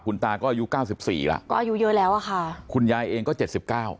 คุณตาก็อายุเก้าสิบสี่แล้วก็อายุเยอะแล้วอ่ะค่ะคุณยายเองก็เจ็ดสิบเก้า